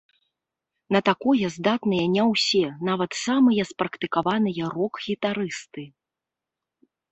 На такое здатныя не ўсе, нават самыя спрактыкаваныя рок-гітарысты!